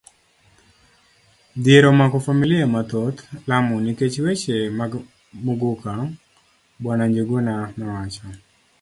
Dhier omako familia mathoth Lamu nikech weche mag Muguka, bw. Njuguna nowacho.